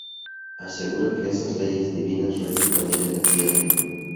asegura que esas leyes divinas rigen también en la tierra